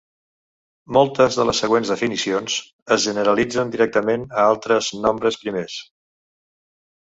Moltes de les següents definicions es generalitzen directament a altres nombres primers.